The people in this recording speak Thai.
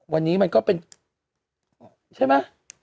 วันนี้มันก็เป็นใช่ไหม